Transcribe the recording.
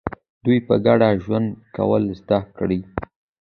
دوی په ګډه ژوند کول زده کړي.